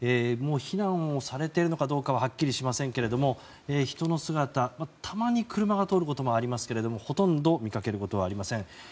もう避難をされているのかははっきりしませんけれども人の姿たまに車が通ることもありますがほとんど見かけることはありません。